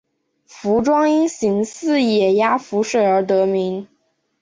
凫庄因形似野鸭浮水而得名。